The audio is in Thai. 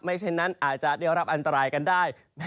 เช่นนั้นอาจจะได้รับอันตรายกันได้